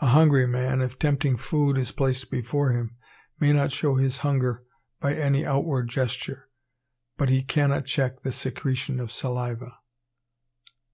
A hungry man, if tempting food is placed before him, may not show his hunger by any outward gesture, but he cannot check the secretion of saliva.